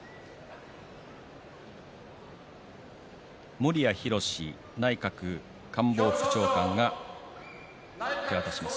森屋宏内閣官房副長官が手渡します。